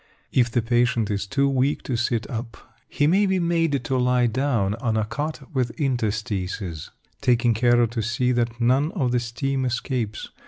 If the patient is too weak to sit up, he may be made to lie down on a cot with interstices, taking care to see that none of the steam escapes.